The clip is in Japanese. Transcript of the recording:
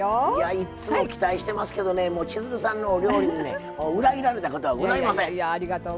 いつも期待していますけど千鶴さんのお料理に裏切られたことはございません。